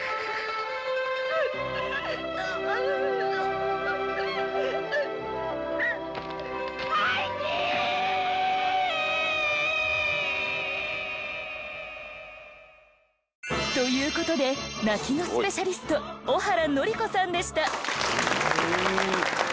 ハイジー！！という事で泣きのスペシャリスト小原乃梨子さんでした。